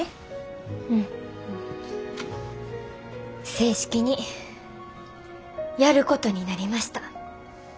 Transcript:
正式にやることになりました。